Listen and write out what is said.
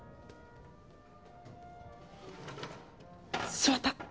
座った！